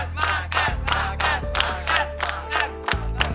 makan makan makan